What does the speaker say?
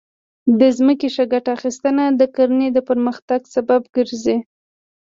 د ځمکې ښه ګټه اخیستنه د کرنې د پرمختګ سبب ګرځي.